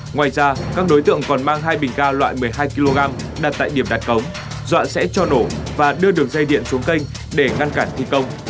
ngoài ra các đối tượng còn mang hai bình ga loại một mươi hai kg đặt tại điểm đặt cống dọa sẽ cho nổ và đưa đường dây điện xuống kênh để ngăn cản thi công